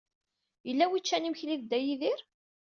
Yella wi yeččan imekli d Dda Yidir?